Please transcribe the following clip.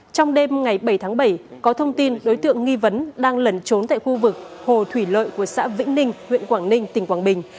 trong đêm ngày bảy tháng bảy có thông tin đối tượng nghi vấn đang lẩn trốn tại khu vực hồ thủy lợi của xã vĩnh ninh huyện quảng ninh tỉnh quảng bình